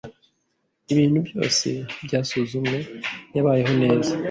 Ibintu byose byasuzumwe, yabayeho neza.